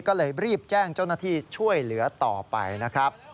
ก็เลยรีบแจ้งเจ้าหน้าที่ช่วยเหลือต่อไปนะครับ